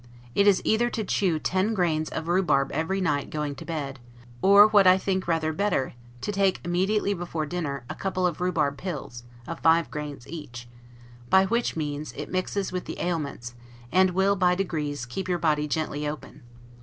It is either to chew ten grains of rhubarb every night going to bed: or, what I think rather better, to take, immediately before dinner, a couple of rhubarb pills, of five grains each; by which means it mixes with the aliments, and will, by degrees, keep your body gently open.